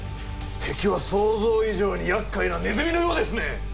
敵は想像以上にやっかいなネズミのようですね！